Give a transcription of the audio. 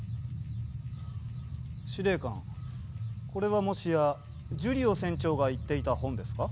司令官これはもしやジュリオ船長が言っていた本ですか？